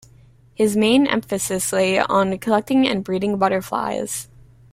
His main emphasis lay on collecting and breeding butterflies.